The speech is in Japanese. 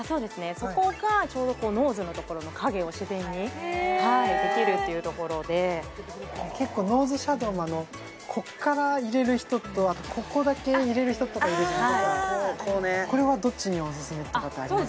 そこがちょうどノーズのところの影を自然にへえできるっていうところで結構ノーズシャドウもあのこっから入れる人とあとここだけ入れる人とかいるじゃないですかこれはどっちにオススメとかってありますか？